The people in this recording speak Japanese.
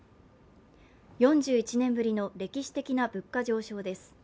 ４１年ぶりの歴史的な物価上昇です。